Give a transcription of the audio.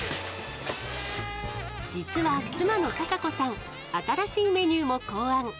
実は妻の貴子さん、新しいメニューも考案。